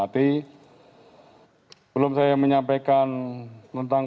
di bumbang kan tuh